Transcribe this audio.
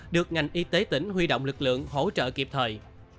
được ngành y tế tỉnh huy động lực lượng hỗ trợ kịp thời